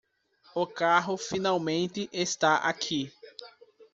O carro finalmente está aqui.